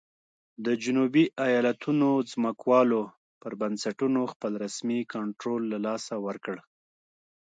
د جنوبي ایالتونو ځمکوالو پر بنسټونو خپل رسمي کنټرول له لاسه ورکړ.